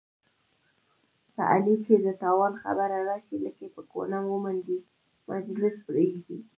په علي چې د تاوان خبره راشي، لکۍ په کونه ومنډي، مجلس پرېږدي.